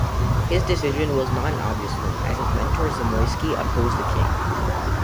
His decision was not an obvious one, as his mentor Zamoyski opposed the king.